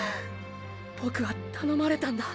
ボクは頼まれたんだ。